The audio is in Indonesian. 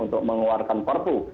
untuk mengeluarkan perpu